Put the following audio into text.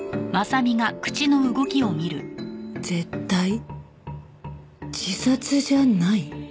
「絶対自殺じゃない」。